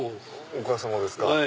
お母さまですか。